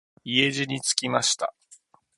家路につきました。